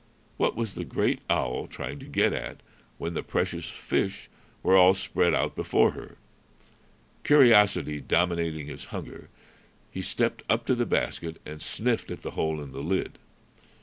What was the great owl trying to get at, when the precious fish were all spread out before her? Curiosity dominating his hunger, he stepped up to the basket and sniffed at the hole in the lid.